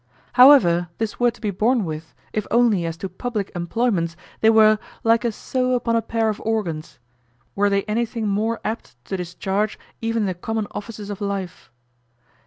However this were to be born with, if only as to public employments they were "like a sow upon a pair of organs," were they anything more apt to discharge even the common offices of life.